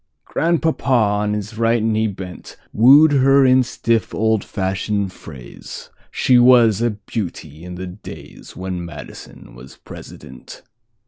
Grandpapa, on his right knee bent, Wooed her in stiff, old fashioned phrase—She was a beauty in the daysWhen Madison was President.